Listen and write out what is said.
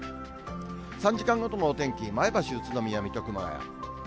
３時間ごとのお天気、前橋、宇都宮、水戸、熊谷。